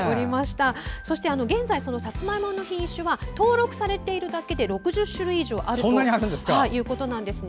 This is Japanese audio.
そして、現在そのさつまいもの品種は登録されているだけで６０種類以上あるということなんですね。